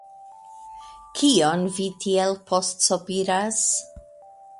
Kion vi tiel postsopiras?